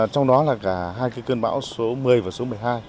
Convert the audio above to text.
trong đó là cả hai cơn bão số một mươi và số một mươi hai